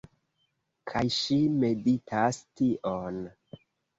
Kaj ŝi meditas tion